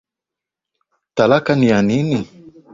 Talaka ni ya nani?